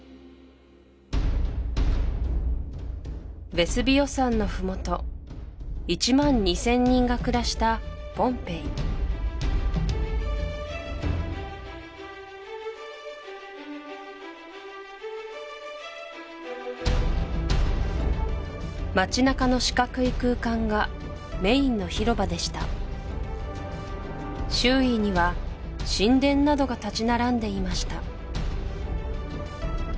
ヴェスヴィオ山の麓１２０００人が暮らしたポンペイ街なかの四角い空間がメインの広場でした周囲には神殿などが立ち並んでいました